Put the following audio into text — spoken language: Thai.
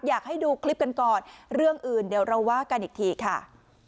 อยากให้ดูคลิปกันก่อนเรื่องอื่นเดี๋ยวเราว่ากันอีกทีค่ะ